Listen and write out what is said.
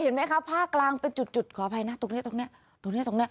เห็นไหมคะภาคกลางเป็นจุดขออภัยนะตรงนี้